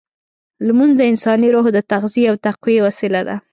لمونځ د انساني روح د تغذیې او تقویې وسیله ده.